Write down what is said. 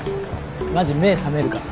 マジ目覚めるから。